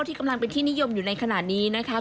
ที่กำลังเป็นที่นิยมอยู่ในขณะนี้นะคะ